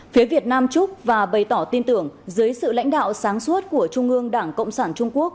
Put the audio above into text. phía việt nam chúc và bày tỏ tin tưởng dưới sự lãnh đạo sáng suốt của trung ương đảng cộng sản trung quốc